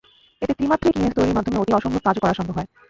এতে ত্রিমাত্রিক ইমেজ তৈরির মাধ্যমে অতি অসম্ভব কাজও করা সম্ভব হয়।